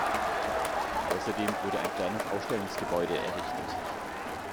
Außerdem wurde ein kleines Ausstellungsgebäude errichtet.